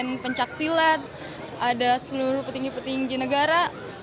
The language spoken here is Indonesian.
ada pencaksilat ada seluruh petinggi petinggi negara